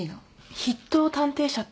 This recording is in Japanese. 筆頭探偵社って？